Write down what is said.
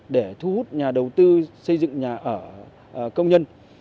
để thu hút nhà đầu tư xây dựng nhà ở công nhân